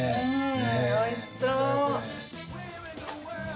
おいしそう。